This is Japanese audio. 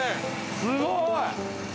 すごい！